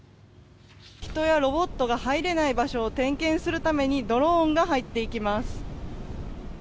人やロボットが入れない場所を点検するためにドローンが入っていきます。